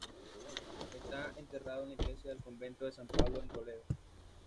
Está enterrado en la iglesia del convento de San Pablo en Toledo.